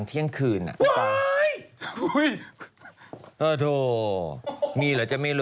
เดี๋ยวเขามาฉีก